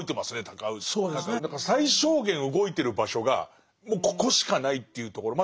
だから最小限動いてる場所がもうここしかないっていうところ。